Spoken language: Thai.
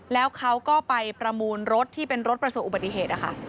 แล้วเขาก็ไปประมูลรถที่เป็นรถประสบอุบัติเหตุนะคะ